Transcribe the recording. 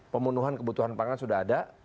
pembunuhan kebutuhan pangan sudah ada